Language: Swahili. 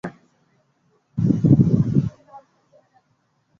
kinyume na hapo kama itaelekezwa vinginevyo